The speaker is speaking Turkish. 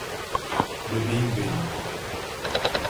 Bebeğim benim.